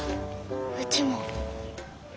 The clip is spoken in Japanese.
うちも。